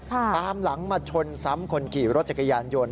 ตามหลังมาชนซ้ำคนขี่รถจักรยานยนต์